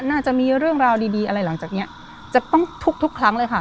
น่าจะมีเรื่องราวดีอะไรหลังจากเนี้ยจะต้องทุกทุกครั้งเลยค่ะ